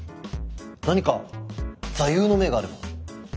何か座右の銘があれば。